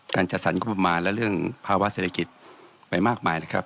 จัดสรรงบประมาณและเรื่องภาวะเศรษฐกิจไปมากมายนะครับ